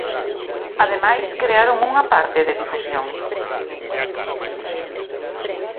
Ademais, crearon unha parte de difusión.